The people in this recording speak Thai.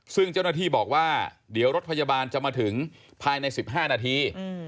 ซึ่งเจ้าหน้าที่บอกว่าเดี๋ยวรถพยาบาลจะมาถึงภายใน๑๕นาที